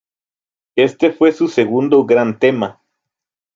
Este fue su segundo gran tema.